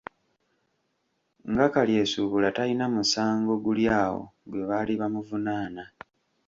Nga Kalyesuubula talina musango guli awo gwe baali bamuvunaana.